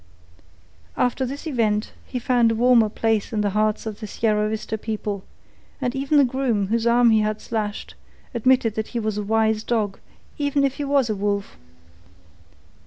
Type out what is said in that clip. After this event he found a warmer place in the hearts of the Sierra Vista people, and even the groom whose arm he had slashed admitted that he was a wise dog even if he was a wolf.